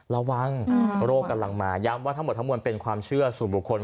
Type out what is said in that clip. ระวังโรคกำลังมาย้ำว่าทั้งหมดทั้งมวลเป็นความเชื่อสู่บุคคล